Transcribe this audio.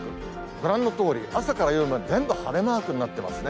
ご覧のとおり朝から夜まで全部晴れマークになってますね。